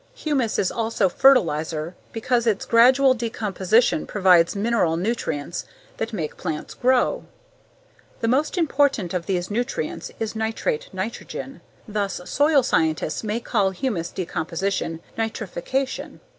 Humus is also fertilizer because its gradual decomposition provides mineral nutrients that make plants grow. The most important of these nutrients is nitrate nitrogen, thus soil scientists may call humus decomposition "nitrification."